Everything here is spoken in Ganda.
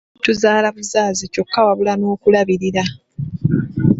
Tozaalabuzaazi kyokka wabula n'okulabirira.